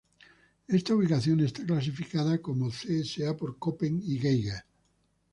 Esta ubicación está clasificada como Csa por Köppen y Geiger.